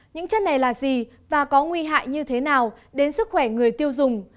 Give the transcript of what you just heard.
những chất này là gì và có nguy hại như thế nào đến sức khỏe người tiêu dùng